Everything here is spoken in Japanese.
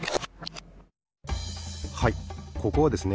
はいここはですね